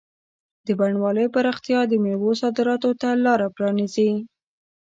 د بڼوالۍ پراختیا د مېوو صادراتو ته لاره پرانیزي.